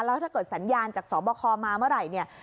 แล้วถ้าเกิดสัญญาณจากสบคมาเมื่อไหร่เนี่ย